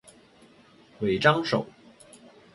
尾张守。